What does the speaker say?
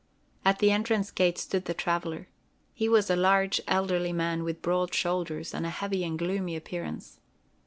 At the entrance gate stood the traveler. He was a large elderly man with broad shoulders and a heavy and gloomy appearance.